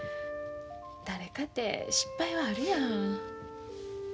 誰かて失敗はあるやん。